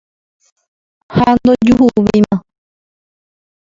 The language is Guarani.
Ha ndojuhuvéima.